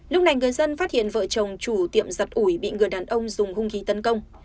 lúc này người dân phát hiện vợ chồng chủ tiệm giật ủi bị người đàn ông dùng hung khí tấn công